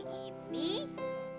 hai fordi apa satu